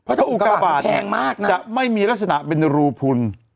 เพราะถ้าอุกาบาทแพงมากนะจะไม่มีลักษณะเป็นรูพุน